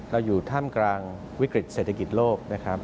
เราอยู่ท่ามกลางวิกฤติเศรษฐกิจโลก